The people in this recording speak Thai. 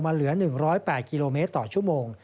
เหลือ๑๐๘กิโลเมตรต่อชั่วโมง